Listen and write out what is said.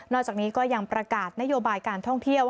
จากนี้ก็ยังประกาศนโยบายการท่องเที่ยว